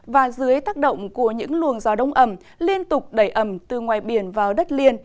và dưới tác động của những luồng gió đông ẩm liên tục đẩy ẩm từ ngoài biển vào đất liền